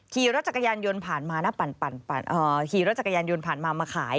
ขี่รถจักรยานยนต์ผ่านมามาขาย